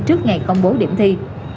trước ngày công bố điểm thi